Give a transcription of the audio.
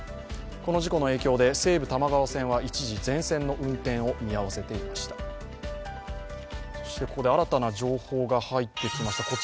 この事故の影響で西武多摩川線は一時全線の運転の見合わせをしていました。